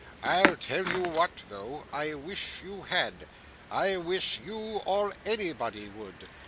I'll tell you what though. I wish you had. I wish you or anybody would.